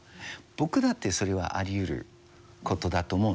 僕だってそれはありうることだと思うんですね。